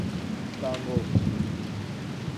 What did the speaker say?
Congo